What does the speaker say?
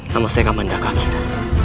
nama saya kamandaka akhidah